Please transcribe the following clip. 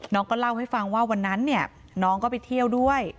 น้องก็เล่าให้ฟังว่าวันนั้นเนี่ยน้องก็ไปเที่ยวด้วย